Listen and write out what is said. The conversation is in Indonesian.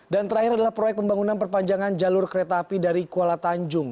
dan terakhir adalah proyek pembangunan perpanjangan jalur kereta api dari kuala tanjung